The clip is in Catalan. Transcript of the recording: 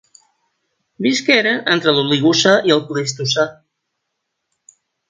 Visqueren entre l'Oligocè i el Plistocè.